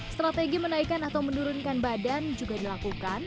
strategi menaikan atau menurunkan badan juga dilakukan